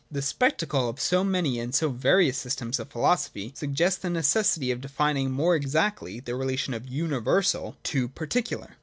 The spectacle of so many and so various systems of philosophy suggests the necessity of defining more exactly the relation of Universal to Particular.